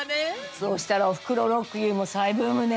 そうしたら『おふくろロックユー』も再ブームね。